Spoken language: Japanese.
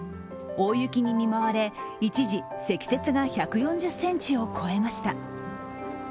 大雪に見舞われ、一時積雪が１４０ｃｍを超えました。